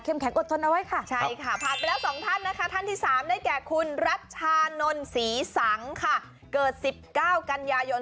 เข้มแข็งอดทนเอาไว้ค่ะ